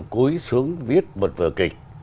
cúi xuống viết bật vở kịch